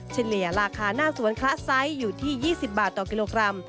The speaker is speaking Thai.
เฉลี่ยราคาหน้าสวนคละไซส์อยู่ที่๒๐บาทต่อกิโลกรัม